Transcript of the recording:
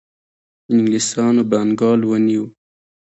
انګلیسانو بنګال ونیو.